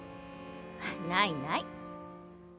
ないない。